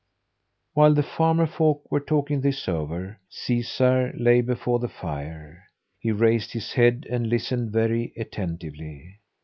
While the farmer folk were talking this over, Caesar lay before the fire. He raised his head and listened very attentively.